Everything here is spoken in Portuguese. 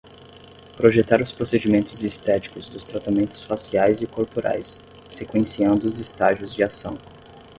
Projetar os procedimentos estéticos dos tratamentos faciais e corporais, sequenciando os estágios de ação.